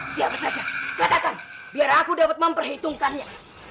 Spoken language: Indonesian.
siapa saja katakan biar aku dapat memperhitungkannya